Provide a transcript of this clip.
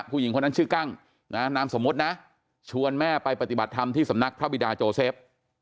ผู้หญิงคนนั้นชื่อกั้งนะนามสมมุตินะชวนแม่ไปปฏิบัติธรรมที่สำนักพระบิดาโจเซฟ